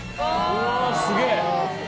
うわあすげえ！